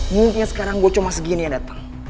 mungkin sekarang gue cuma segini yang datang